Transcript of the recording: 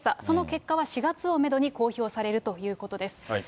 その結果は４月をメドに公表されるということです。